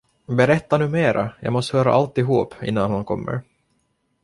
Berätta nu mera, jag måste höra alltihop, innan han kommer.